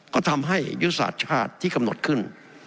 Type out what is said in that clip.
ก็ทำให้ยุทธศาสตร์ชาติที่กำหนดขึ้น